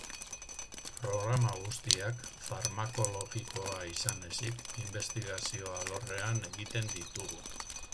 Programa guztiak, farmakologikoa izan ezik, inbestigazio alorrean egiten ditugu.